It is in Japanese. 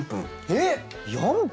えっ４分！？